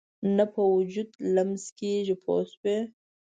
نه په وجود لمس کېږي پوه شوې!.